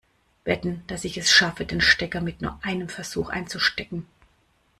Wetten, dass ich es schaffe, den Stecker mit nur einem Versuch einzustecken?